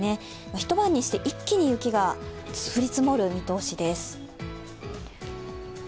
一晩にして一気に雪が降り積もる見通しです。